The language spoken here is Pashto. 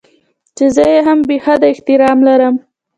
چې زه يې هم بې حده احترام لرم.